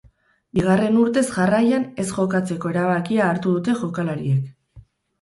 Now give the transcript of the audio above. Bigarren urtez jarraian ez jokatzeko erabakia hartu dute jokalariek.